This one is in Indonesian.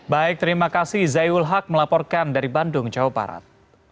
baik terima kasih zaiul haq melaporkan dari bandung jawa barat